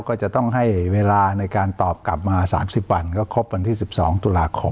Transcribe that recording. ก็จะต้องให้เวลาในการตอบกลับมา๓๐วันก็ครบวันที่๑๒ตุลาคม